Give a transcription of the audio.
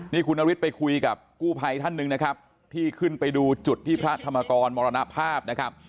นี่คุณนฤทธิไปคุยกับกู้ภัยท่านหนึ่งนะครับที่ขึ้นไปดูจุดที่พระธรรมกรมรณภาพนะครับ